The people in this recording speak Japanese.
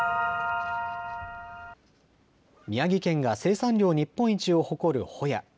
宮城県が生産量日本一を誇るほや。